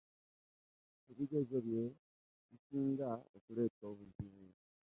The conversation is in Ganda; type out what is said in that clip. Ebigezo bye bisinga okuleeta obuzibu.